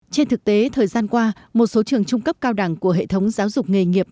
trên thực tế thời gian qua một số trường trung cấp cao đẳng của hệ thống giáo dục nghề nghiệp